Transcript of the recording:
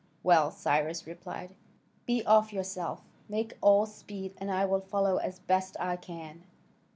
"Well," Cyrus replied, "be off yourself: make all speed, and I will follow as best I can."